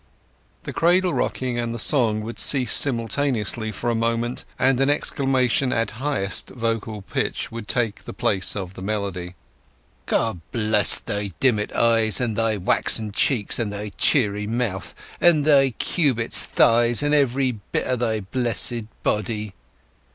′ The cradle rocking and the song would cease simultaneously for a moment, and an exclamation at highest vocal pitch would take the place of the melody. "God bless thy diment eyes! And thy waxen cheeks! And thy cherry mouth! And thy Cubit's thighs! And every bit o' thy blessed body!"